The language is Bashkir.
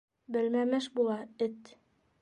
Белмәмеш була, эт!